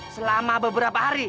selama beberapa hari